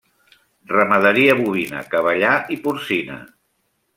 Ramaderia bovina, cavallar i porcina.